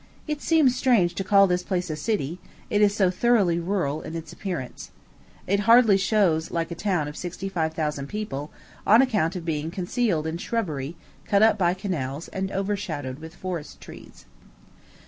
It seems strange to call this place a city, it is so thoroughly rural in its appearance. It hardly shows like a town of sixty five thousand people on account of being concealed in shrubbery, cut up by canals, and overshadowed with forest trees.